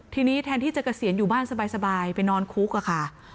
ทีนี้แทนที่จะเกษียณอยู่บ้านสบายไปนอนคุกอะค่ะ